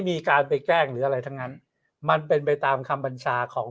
มีการไปแกล้งหรืออะไรทั้งนั้นมันเป็นไปตามคำบัญชาของ